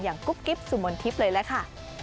อย่างกุ๊บกิ๊บสุมนต์ทิพย์เลยแหละค่ะ